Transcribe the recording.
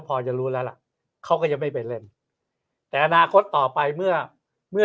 พอจะรู้แล้วล่ะเขาก็ยังไม่ไปเล่นแต่อนาคตต่อไปเมื่อเมื่อ